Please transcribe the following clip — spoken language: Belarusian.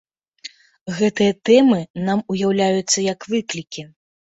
Гэтыя тэмы нам уяўляюцца як выклікі.